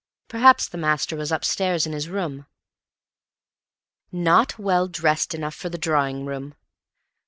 Perhaps the master was upstairs in his room. "Not well dressed enough for the drawing room."